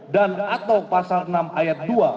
dan atau pasal enam ayat dua